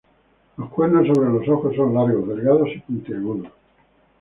Los cuernos sobre los ojos son largos, delgados y puntiagudos.